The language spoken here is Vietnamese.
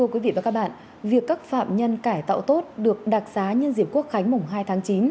các bạn việc các phạm nhân cải tạo tốt được đặc giá nhân diện quốc khánh mùng hai tháng chín